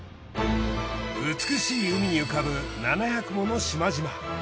美しい海に浮かぶ７００もの島々。